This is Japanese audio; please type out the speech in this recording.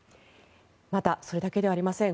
また、それだけではありません。